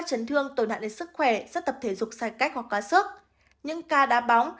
tổn thương tồi nạn đến sức khỏe giấc tập thể dục sai cách hoặc quá sức những ca đá bóng